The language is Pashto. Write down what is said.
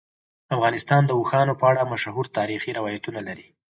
افغانستان د اوښانو په اړه مشهور تاریخی روایتونه لري.